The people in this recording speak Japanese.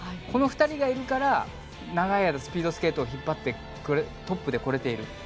この２人がいるから長い間、スピードスケートを引っ張ってトップで来れている。